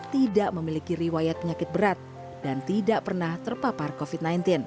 tidak memiliki riwayat penyakit berat dan tidak pernah terpapar covid sembilan belas